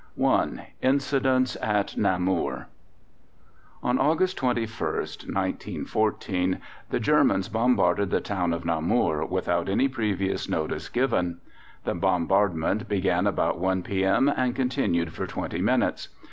(I.) INCIDENTS AT NAMUR. On August 21st, 1914, the Germans bombarded the town of Namur, without any previous notice given. The bombardment began about 1 p. m. and continued for twenty minutes.